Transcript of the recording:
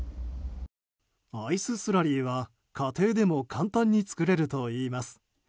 アイススラリーは家庭でも簡単に作れるといいます。